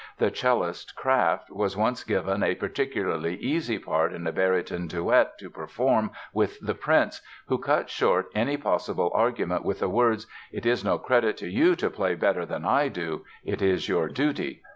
The cellist, Kraft, was once given a particularly easy part in a baryton duet to perform with the prince, who cut short any possible argument with the words: "It is no credit to you to play better than I do; it is your duty."